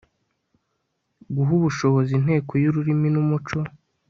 guha ubushobozi inteko y'ururimi n'umuco